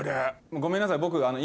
ごめんなさい。